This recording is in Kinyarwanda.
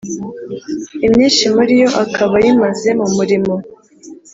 imyinshi muri yo akaba ayimaze mu murimo